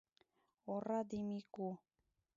Ораде Мику!